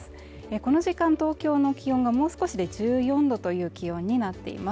この時間、東京の気温がもう少しで１４℃という気温になっています。